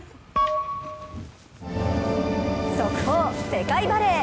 速報、世界バレー！